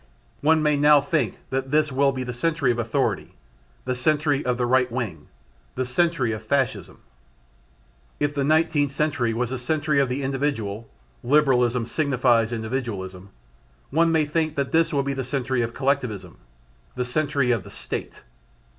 One may now think that this will be the century of authority, the century of the "right wing" the century of Fascism. If the Nineteenth Century was the century of the individual (liberalism signifies individualism) one may think that this will be the century of "collectivism," the century of the State.